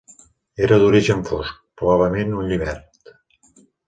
Era d'origen fosc, probablement un llibert.